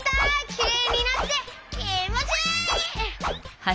きれいになってきもちいい！